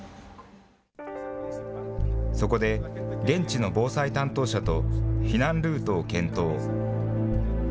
そこで、現地の防災担当者と避難ルートを検討。